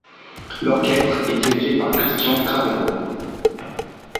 L'orchestre est dirigé par Christian Cravero.